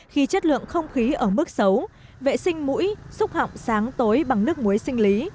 khi chất lượng không khí ở mức xấu vệ sinh mũi xúc họng sáng tối bằng nước muối sinh lý